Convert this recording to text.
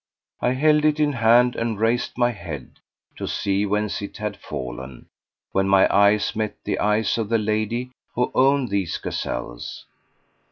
I hent it in hand and raised my head to see whence it had fallen, when my eyes met the eyes of the lady who owned these gazelles.